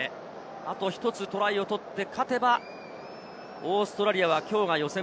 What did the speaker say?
あと１つトライを取って勝てばオーストラリアはきょうが予選